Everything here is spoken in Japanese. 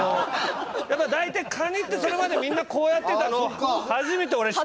だから大体カニってそれまでみんなこうやってたのを初めて俺下に向けた。